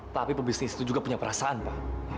tapi pebisnis itu juga punya perasaan pak